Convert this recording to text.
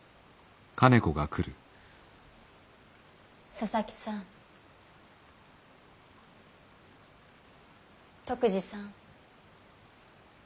佐々木さん篤二さん。